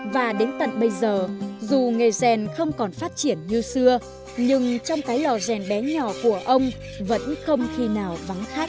và đến tận bây giờ dù nghề rèn không còn phát triển như xưa nhưng trong cái lò rèn bé nhỏ của ông vẫn không khi nào vắng khách